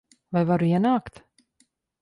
Vai varu ienākt?